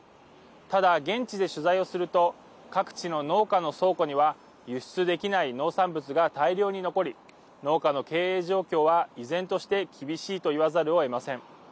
ただ、現地で取材をすると各地の農家の倉庫には輸出できない農産物が大量に残り農家の経営状況は依然として厳しいと言わざるをえません。